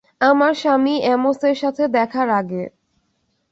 আমার স্বামী, অ্যামোসের সাথে দেখার আগে।